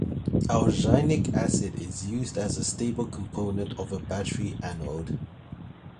Alginic acid is used as a stable component of a battery anode.